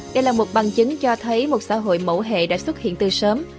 đây là một bằng chứng cho thấy một xã hội mẫu hệ đã xuất hiện từ sớm